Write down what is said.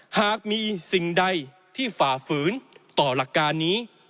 หากมีสิ่งใดที่ฝ่าฝืนต่อหลักการนี้